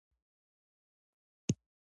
ما ورته وویل: هو، راشه، ډېر یې غواړم.